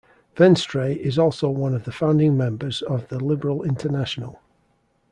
Venstre is also one of the founding members of the Liberal International.